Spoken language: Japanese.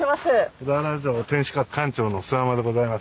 小田原城天守閣館長の諏訪間でございます。